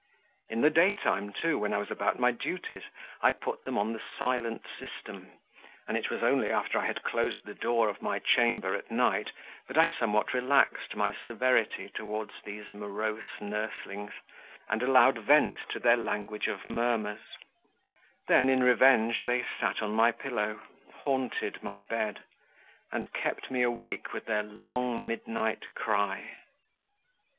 In the daytime, too, when I was about my duties, I put them on the silent system; and it was only after I had closed the door of my chamber at night that I somewhat relaxed my severity towards these morose nurslings, and allowed vent to their language of murmurs; then, in revenge, they sat on my pillow, haunted my bed, and kept me awake with their long, midnight cry.